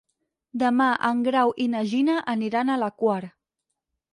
Demà en Grau i na Gina aniran a la Quar.